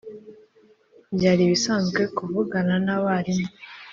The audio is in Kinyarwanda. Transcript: Byari ibisanzwe kuvugana n abarimu.